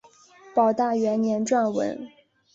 保大元年撰文。